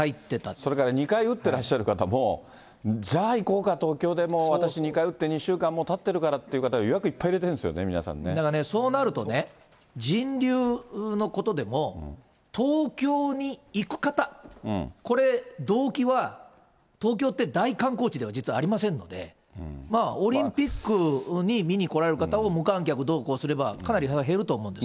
それから２回打ってらっしゃる方も、じゃあ行こうか、東京でも、私、２回打って、２週間もうたってる方っていう方は予約いっぱい入れてるんですよだからね、そうなるとね、人流のことでも、東京に行く方、これ、動機は、東京って大観光地では実はありませんので、まあ、オリンピックに見に来られる方を無観客どうこうすればかなり減ると思うんです。